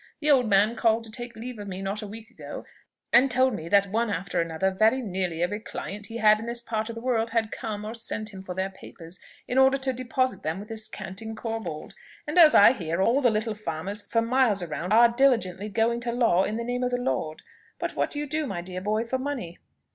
The old man called to take leave of me not a week ago, and told me that one after another very nearly every client he had in this part of the world had come or sent to him for their papers, in order to deposit them with this canting Corbold; and, as I hear, all the little farmers for miles round, are diligently going to law in the name of the Lord. But what did you do, my dear boy, for money?"